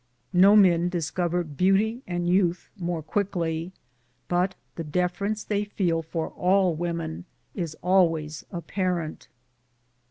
No men discover beauty and youth more quickly, but the deference they feel for all women is always apparent.